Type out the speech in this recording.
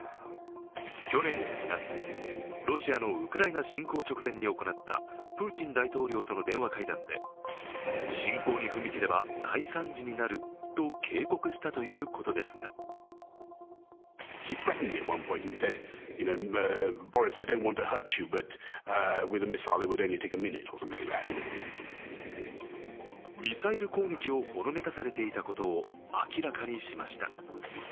去年２月、ロシアのウクライナ侵攻直前に行ったプーチン大統領との電話会談で侵攻に踏み切れば大惨事になると警告したということですがミサイル攻撃をほのめかされていたことを明らかにしました。